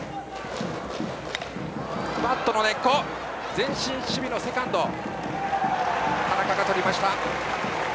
前進守備のセカンド・田中がとりました。